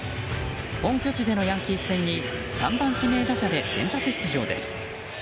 本拠地でのヤンキース戦に３番指名打者で先発出場です。